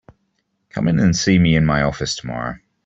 Come in and see me in my office tomorrow.